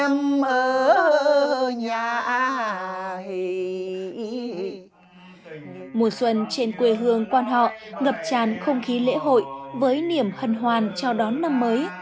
mùa xuân trên quê hương quan họ ngập tràn không khí lễ hội với niềm hân hoàn chào đón năm mới